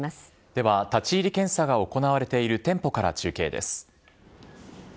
では、立ち入り検査が行われている店舗から中継です。